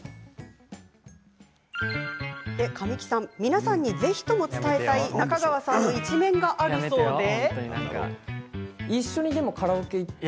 皆さんにぜひとも伝えたい中川さんの一面があるそうで。